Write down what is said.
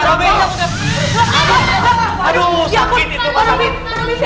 aduh sakit itu pak samin